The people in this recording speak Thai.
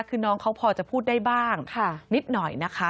คือน้องเขาพอจะพูดได้บ้างนิดหน่อยนะคะ